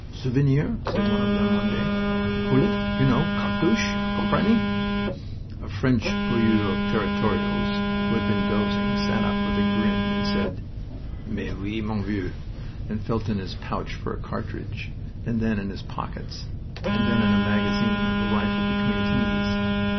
"Souvenir!" said one of them one day. "Bullet you know cartouche. Comprenny?" A French poilu of Territorials, who had been dozing, sat up with a grin and said, "Mais oui, mon vieux," and felt in his pouch for a cartridge, and then in his pockets, and then in the magazine of the rifle between his knees.